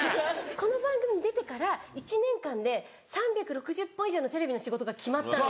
この番組に出てから１年間で３６０本以上のテレビの仕事が決まったんです。